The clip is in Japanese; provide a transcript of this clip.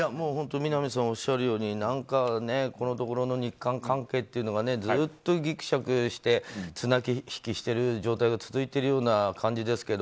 南さんおっしゃるようにこのところの日韓関係というのがずっとぎくしゃくして綱引きしている状態が続いているような感じですけど